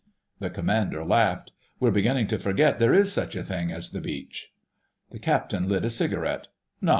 The Commander laughed. "We're beginning to forget there is such a thing as the beach." The Captain lit a cigarette.